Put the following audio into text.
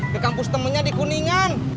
di kampus temennya di kuningan